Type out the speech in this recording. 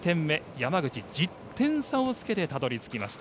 山口１０点差をつけてたどりつきました。